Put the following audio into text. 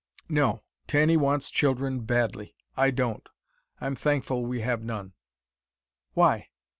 "No. Tanny wants children badly. I don't. I'm thankful we have none." "Why?"